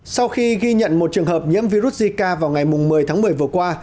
sau khi ghi nhận một trường hợp nhiễm virus zika vào ngày một mươi tháng một mươi vừa qua